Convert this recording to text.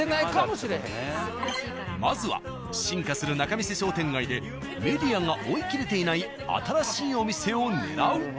まずは進化する仲見世商店街でメディアが追いきれていない新しいお店を狙う。